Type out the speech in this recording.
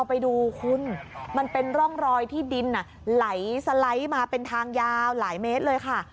ไปดูคุณมันเป็นร่องรอยที่ดินไหลสไลด์มาเป็นทางยาวหลายเมตรเลยค่ะ